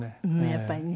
やっぱりね。